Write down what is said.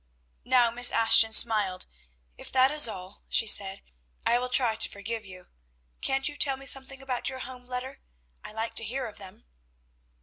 Now Miss Ashton smiled. "If that is all," she said, "I will try to forgive you. Can't you tell me something about your home letter? I like to hear of them."